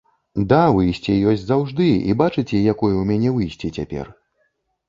Да, выйсце ёсць заўжды і бачыце, якое ў мяне выйсце цяпер?